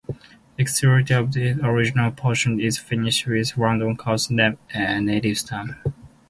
The exterior of its original portion is finished with random coursed native stone.